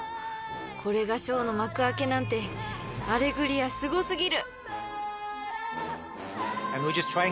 ［これがショーの幕開けなんて『アレグリア』すご過ぎる！］